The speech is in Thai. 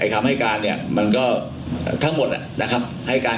ก็ไม่เป็นไรผมก็ทำมาดีดีที่สุด